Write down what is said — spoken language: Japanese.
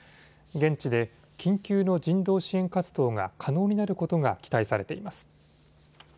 現地で緊急の人道支援活動が可能になることが期待されています。